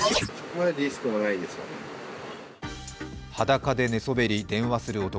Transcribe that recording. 裸で寝そべり、電話する男。